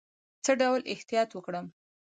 څه ډول احتیاط وکړم؟